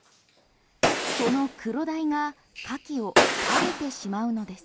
そのクロダイがカキを食べてしまうのです。